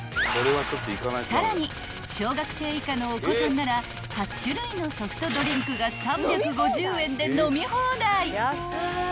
［さらに小学生以下のお子さんなら８種類のソフトドリンクが３５０円で飲み放題］